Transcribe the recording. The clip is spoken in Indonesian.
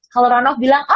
kalau ranom bilang